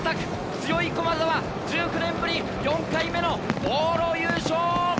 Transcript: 強い駒澤、１９年ぶり４回目の往路優勝！